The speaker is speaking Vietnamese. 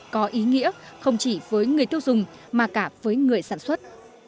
có ý nghĩa không chỉ với người tiêu dùng mà cả với người sản xuất